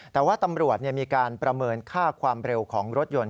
แต่ว่าตำรวจมีการประเมินค่าความเร็วของรถยนต์